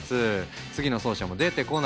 次の走者も出てこない。